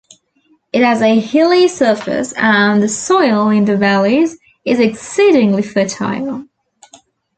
It has a hilly surface, and the soil in the valleys is exceedingly fertile.